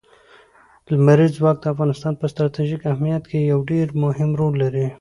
لمریز ځواک د افغانستان په ستراتیژیک اهمیت کې یو ډېر مهم رول لري.